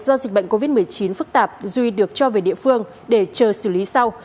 do dịch bệnh covid một mươi chín phức tạp duy được cho về địa phương để chờ xử lý sau